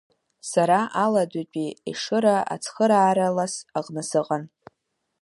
Сара Аладатәи Ешыра Ацхыраара лас аҟны сыҟан.